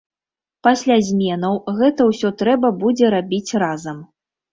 Пасля зменаў гэта ўсё трэба будзе рабіць разам.